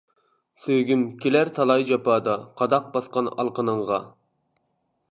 سۆيگۈم كېلەر تالاي جاپادا، قاداق باسقان ئالىقىنىڭغا.